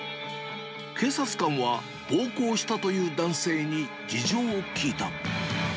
警察官は、暴行したという男性に事情を聴いた。